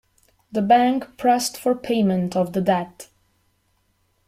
The bank pressed for payment of the debt.